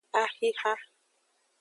Axixa.